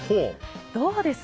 どうです？